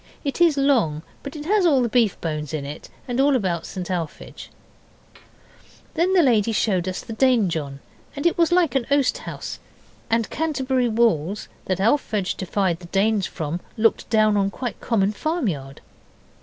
It is long, but it has all the beef bones in it, and all about St Alphege. Then the lady showed us the Danejohn, and it was like an oast house. And Canterbury walls that Alphege defied the Danes from looked down on a quite common farmyard.